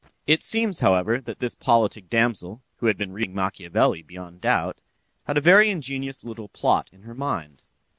It seems, however, that this politic damsel (who had been reading Machiavelli, beyond doubt), had a very ingenious little plot in her mind.